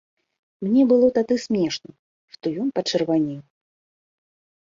Мне было тады смешна, што ён пачырванеў.